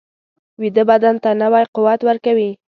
ویده بدن ته نوی قوت ورکوي